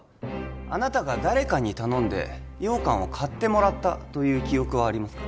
あなたが誰かに頼んで羊羹を買ってもらったという記憶はありますか？